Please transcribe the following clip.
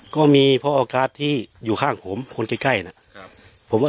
ก็มีพ่อออกราศที่อยู่ข้างผมคนใกล้นะ